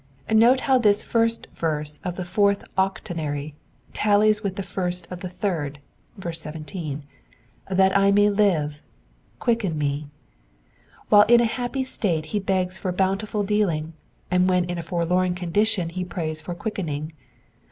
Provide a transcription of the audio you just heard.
Note how this first verse of the 4th octonary tallies with the first of the third (17). —*' That I may live" :...Quicken me." While in a happy state he begs for bountiful dealing, and when in a forlorn condition he prays for quickening.